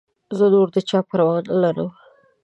زه نور د چا پروا نه لرم.